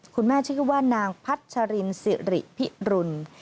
คุณแม่ชื่อว่านางพัชรินศริพิรุน